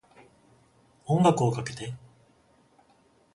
音楽をかけて